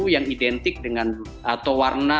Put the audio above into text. yang identik dengan atau warna